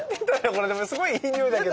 これでもすごいいいにおいだけど。